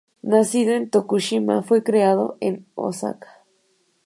Nacido en Tokushima fue criado en Osaka.